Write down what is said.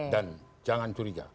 dan jangan curiga